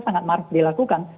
sangat marah dilakukan